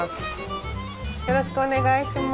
よろしくお願いします。